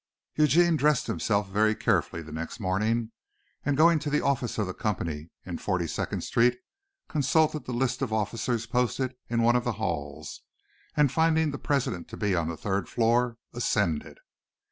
Eugene dressed himself very carefully the next morning, and going to the office of the company in Forty second Street, consulted the list of officers posted in one of the halls, and finding the president to be on the third floor, ascended.